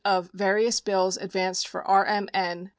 of various bills advanced for RMN, Pers."